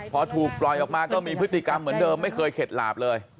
พอถูกปล่อยออกมาก็มีพฤติกรรมเหมือนเดิมไม่เคยเข็ดหลาบเลย